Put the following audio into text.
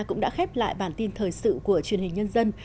cũng đã khép lại bản tin thời sự của truyền hình nhân dân